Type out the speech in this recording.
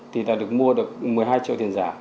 thì đã được mua được một mươi hai triệu tiền giả